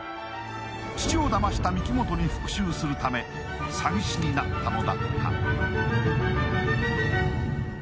父をだました御木本に復しゅうするため詐欺師になったのだった。